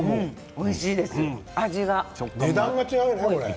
おいしいです。